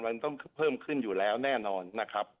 มันต้องเพิ่มขึ้นอยู่แล้วแน่นอนนะครับ